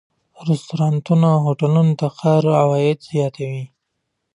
رستورانتونه او هوټلونه د ښار عواید زیاتوي.